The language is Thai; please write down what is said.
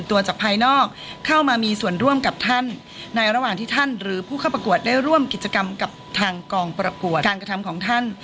ทางกองปรากวดการกระทำของท่าน